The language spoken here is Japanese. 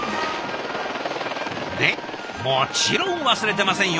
でもちろん忘れてませんよ。